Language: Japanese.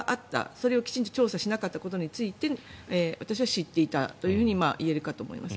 それをきちんと調査しなかったことに関して私は知っていたといえるかと思います。